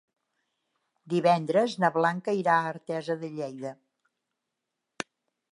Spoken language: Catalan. Divendres na Blanca irà a Artesa de Lleida.